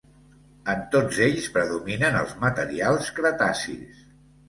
En tots ells predominen els materials cretacis.